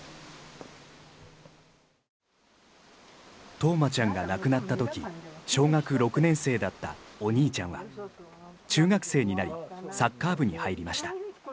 冬生ちゃんが亡くなったとき小学６年生だったお兄ちゃんは中学生になりサッカー部に入りました。